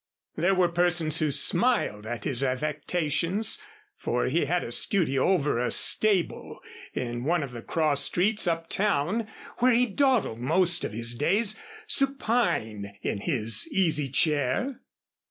There were persons who smiled at his affectations, for he had a studio over a stable in one of the cross streets up town, where he dawdled most of his days, supine in his easy chair.